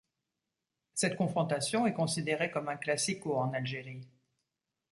Cette confrontation est considérée comme un classico en Algérie.